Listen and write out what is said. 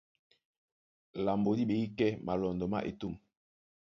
Lambo dí ɓeŋgí kɛ́ malɔndɔ má etûm.